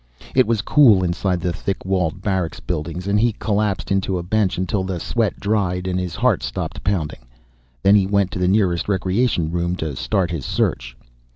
It was cool inside the thick walled barracks buildings, and he collapsed onto a bench until the sweat dried and his heart stopped pounding. Then he went to the nearest recreation room to start his search.